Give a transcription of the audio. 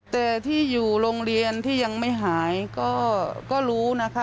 แต่ที่อยู่โรงเรียนที่ยังไม่หายก็รู้นะคะ